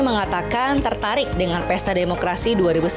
mengatakan tertarik dengan pesta demokrasi